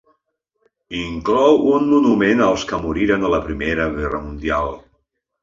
Inclou un monument als que moriren a la Primera Guerra Mundial.